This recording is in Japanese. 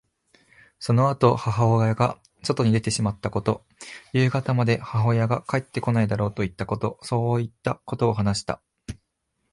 そのあと母親が外に出てしまったこと、夕方まで母親が帰ってこないだろうといったこと、そういったことを話した。